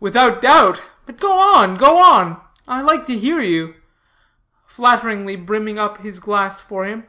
"Without doubt. But go on, go on. I like to hear you," flatteringly brimming up his glass for him.